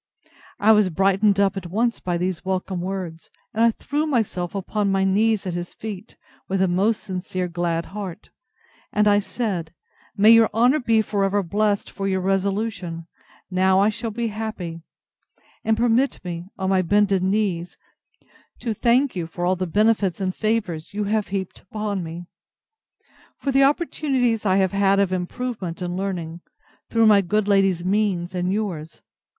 I was brightened up at once with these welcome words, and I threw myself upon my knees at his feet, with a most sincere glad heart; and I said, May your honour be for ever blessed for your resolution! Now I shall be happy. And permit me, on my bended knees, to thank you for all the benefits and favours you have heaped upon me; for the opportunities I have had of improvement and learning, through my good lady's means, and yours.